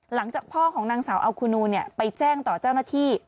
หลังจากพ่อของนางสาวอัลคูนูไปแจ้งต่อเจ้าหน้าที่